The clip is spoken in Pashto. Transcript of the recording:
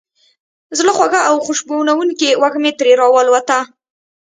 زړه خوږه او خوشبوونکې وږمه ترې را والوته.